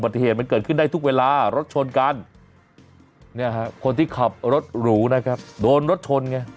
เดินไม่ทุกเวลารถชนกันนี่คนที่ขับรถหรูนะครับโดนรถชนไง